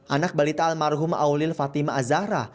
anak balita almarhum aulil fatima azahra